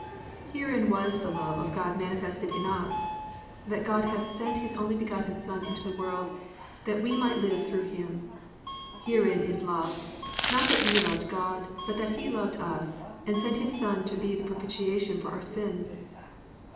(9) Herein was the love of God manifested in us, that God hath sent his only begotten Son into the world that we might live through him. (10) Herein is love, not that we loved God, but that he loved us, and sent his son to be the propitiation for our sins.